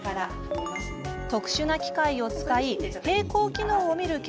特殊な機械を使い平衡機能を見る検査も行います。